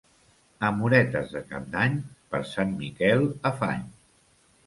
Amoretes de Cap d'Any, per Sant Miquel afany.